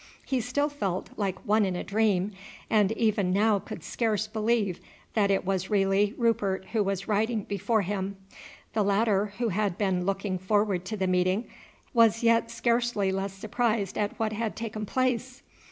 He still felt like one in a dream, and even now could scarce believe that it was really Rupert who was riding before him. The latter, who had been looking forward to the meeting, was yet scarcely less surprised at what had taken place.